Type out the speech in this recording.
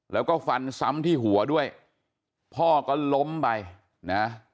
แล้วก็ฟันซ้ำที่หัวด้วยพ่อก็ล้มไปนะ